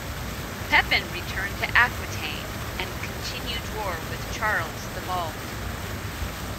Pepin returned to Aquitaine and continued war with Charles the Bald.